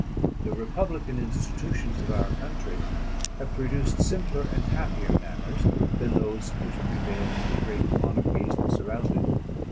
The republican institutions of our country have produced simpler and happier manners than those which prevail in the great monarchies that surround it.